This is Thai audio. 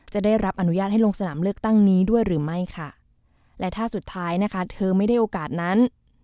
จะได้รับอนุญาตให้ลงสนามเลือกตั้งนี้ด้วยหรือไม่ค่ะและถ้าสุดท้ายนะคะเธอไม่ได้โอกาสนั้น